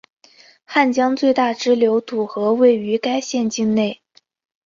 汉江最大支流堵河位于该县境内。